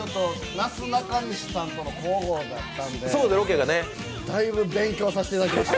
なすなかにしさんとの交互だったんでだいぶ勉強させていただきました。